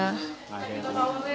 nggak ada itu